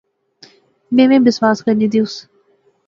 میں ایویں بسواس کرنی دیوس